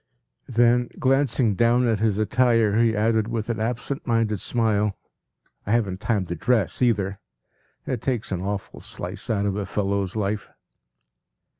” Then, glancing down at his attire, he added with an absent minded smile, “I haven’t time to dress either; it takes an awful slice out of a fellow’s life.